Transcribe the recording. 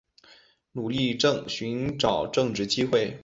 努力寻找正职机会